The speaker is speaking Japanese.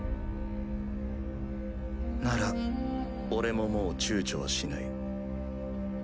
なら俺ももう躊躇はしない。